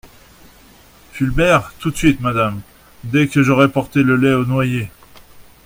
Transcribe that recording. Fulbert Tout de suite, Madame … dès que j'aurai porté le lait au noyé …